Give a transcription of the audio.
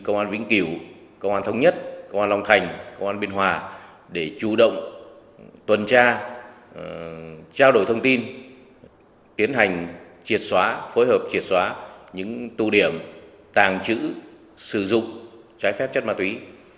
công an vĩnh cửu công an thống nhất công an long thành công an biên hòa để chủ động tuần tra trao đổi thông tin tiến hành triệt xóa phối hợp triệt xóa những tụ điểm tàng trữ sử dụng trái phép chất ma túy